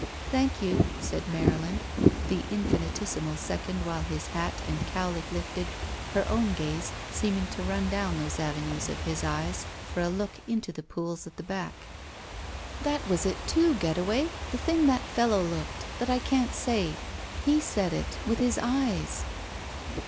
"Thank you," said Marylin, the infinitesimal second while his hat and cowlick lifted, her own gaze seeming to run down those avenues of his eyes for a look into the pools at the back. 135 THE VERTICAL CITY itt That was it, too, Getaway! The thing that fellow looked — that I couldn't say. He said it — with his eyes."